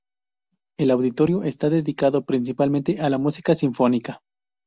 El auditorio está dedicado principalmente a la música sinfónica.